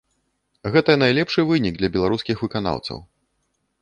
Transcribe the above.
Гэта найлепшы вынік для беларускіх выканаўцаў.